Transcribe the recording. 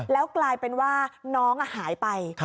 แล้วกลายเป็นว่าน้องหายไป